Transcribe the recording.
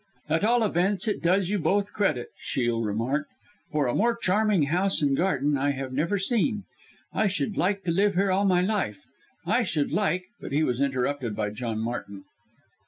"At all events it does you both credit," Shiel remarked, "for a more charming house and garden I have never seen. I should like to live here all my life. I should like " but he was interrupted by John Martin.